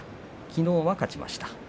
きのうは勝ちました。